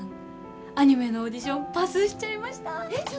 アニメのオーディションパスしちゃいました！